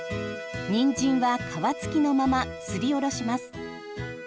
にんじんは皮つきのまますりおろします。